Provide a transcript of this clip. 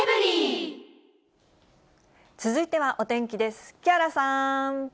続いてはお天気です。